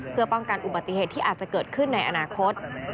เพื่อป้องกันอุบัติเหตุที่อาจจะเกิดขึ้นในอนาคต